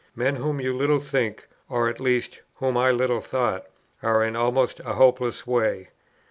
Men whom you little think, or at least whom I little thought, are in almost a hopeless way.